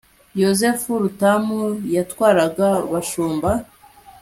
Yozefu Rutamu yatwaraga Bashumba